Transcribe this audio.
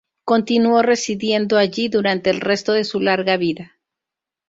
Continuó residiendo allí durante el resto de su larga vida.